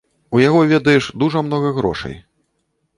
У яго, ведаеш, дужа многа грошай.